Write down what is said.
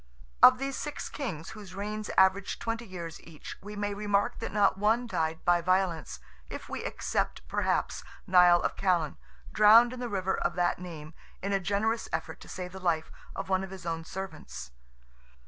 Of these six kings, whose reigns average twenty years each, we may remark that not one died by violence, if we except perhaps Nial of Callan, drowned in the river of that name in a generous effort to save the life of one of his own servants.